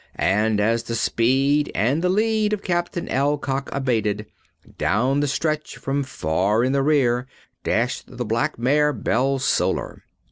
And as the speed and the lead of Captain Alcock abated, down the stretch from far in the rear dashed the black mare Bellsolar.